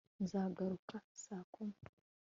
nzagaruka saa kumi